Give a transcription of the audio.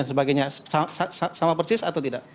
sebagainya sama persis atau tidak